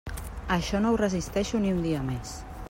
Això no ho resisteixo ni un dia més.